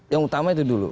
yang utama itu dulu